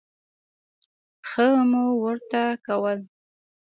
ښه مو ورته کول.